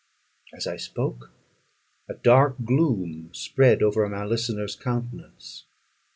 As I spoke, a dark gloom spread over my listener's countenance.